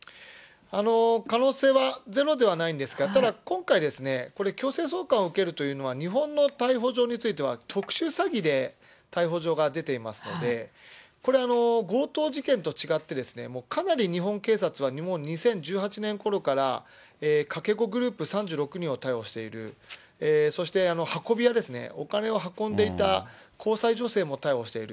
可能性はゼロではないんですが、ただ、今回ですね、これ、強制送還を受けるというのは、日本の逮捕状については特殊詐欺で逮捕状が出ていますので、これ、強盗事件と違って、もうかなり日本警察は、もう２０１８年ごろから、かけ子グループ３６人を逮捕している、そして運び屋ですね、お金を運んでいた交際女性も逮捕している。